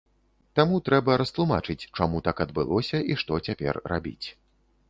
Таму трэба растлумачыць, чаму так адбылося і што цяпер рабіць.